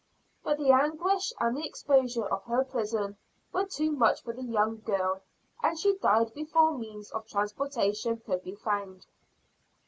But the anguish, and the exposure of her prison, were too much for the young girl; and she died before means of transportation could be found.